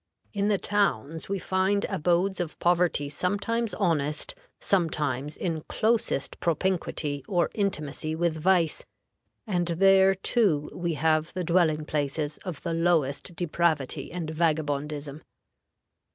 In the towns we find abodes of poverty sometimes honest, sometimes in closest propinquity or intimacy with vice, and there too we have the dwelling places of the lowest depravity and vagabondism.